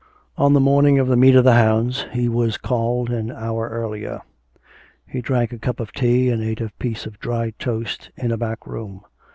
On the morning of the meet of the hounds he was called an hour earlier. He drank a cup of tea and ate a piece of dry toast in a back room.